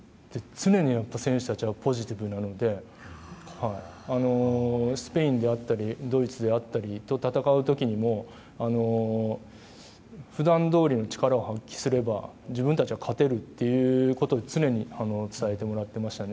常に選手たちはポジティブなのでスペインであったりドイツであったりと戦う時も普段どおりの力を発揮すれば自分たちは勝てるということを常に伝えてもらっていましたね。